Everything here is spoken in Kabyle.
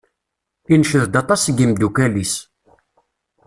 Inced-d aṭas seg yimeddukal-is.